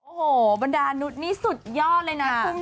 โอ้โหบรรดานุษย์นี่สุดยอดเลยนะ